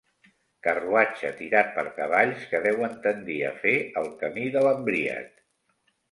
Carruatge tirat per cavalls que deuen tendir a fer el camí de l'embriac.